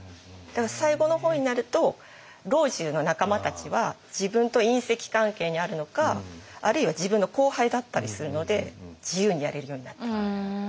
だから最後の方になると老中の仲間たちは自分と姻戚関係にあるのかあるいは自分の後輩だったりするので自由にやれるようになってくる。